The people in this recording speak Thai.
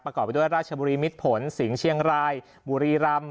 ไปด้วยราชบุรีมิตรผลสิงห์เชียงรายบุรีรำ